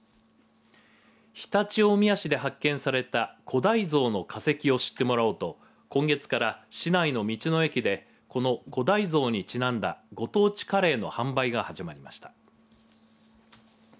常陸大宮市で発見された古代ゾウの化石を知ってもらおうと今月から市内の道の駅でこの古代ゾウにちなんだご当地カレーの販売が始まりました。